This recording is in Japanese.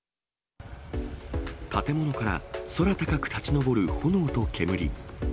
建物から空高く立ち上る炎と煙。